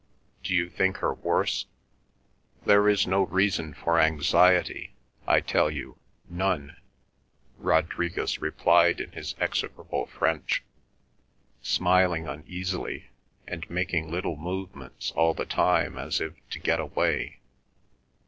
Do you think her worse?" "There is no reason for anxiety, I tell you—none," Rodriguez replied in his execrable French, smiling uneasily, and making little movements all the time as if to get away.